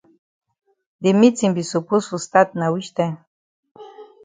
De meetin be suppose for stat na wich time.